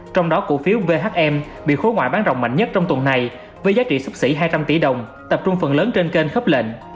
trong đó cổ phiếu vhm bị khối ngoại bán rộng mạnh nhất trong tuần này với giá trị sấp xỉ hai trăm linh tỷ đồng tập trung phần lớn trên kênh khớp lệnh